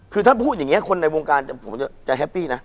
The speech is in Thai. คือถ้าพูดอย่างนี้คนในวงการผมจะแฮปปี้นะ